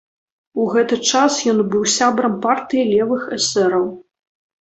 У гэты час ён быў сябрам партыі левых эсэраў.